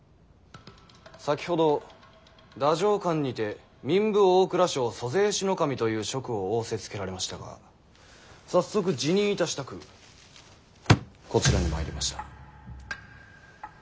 先ほど太政官にて民部・大蔵省租税司の正という職を仰せつけられましたが早速辞任いたしたくこちらに参りました。